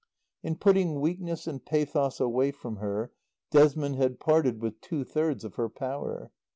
In putting weakness and pathos away from her Desmond had parted with two thirds of her power.